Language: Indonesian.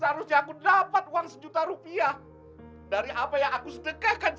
seharusnya aku dapat uang sejuta rupiah dari apa yang aku sedekahkan